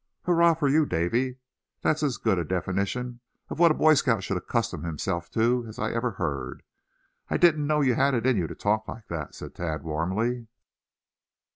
"Hurrah for you, Davy; that's as good a definition of what a Boy Scout should accustom himself to, as I ever heard. I didn't know you had it in you to talk like that," said Thad, warmly.